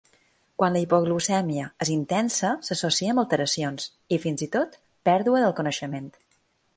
Quan la hipoglucèmia és intensa s'associa amb alteracions i, fins i tot, pèrdua del coneixement.